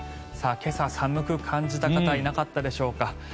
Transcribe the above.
今朝、寒く感じた方いなかったでしょうか。